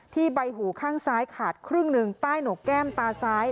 ใบหูข้างซ้ายขาดครึ่งหนึ่งใต้หนกแก้มตาซ้าย